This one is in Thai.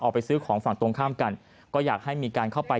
ไปซื้อของฝั่งตรงข้ามกันก็อยากให้มีการเข้าไป